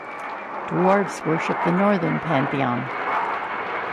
Dwarves worship the Northern Pantheon.